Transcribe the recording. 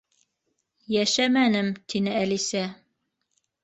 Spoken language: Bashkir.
—Йәшәмәнем, —тине Әлисә.